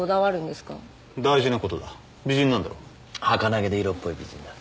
はかなげで色っぽい美人だ